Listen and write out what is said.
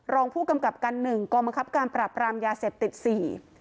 รองผู้กำกับการหนึ่งกองบังคับการปรับรามยาเสพติดสี่